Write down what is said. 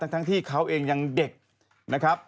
ทั้งที่เขาเองยังเด็กนะครับ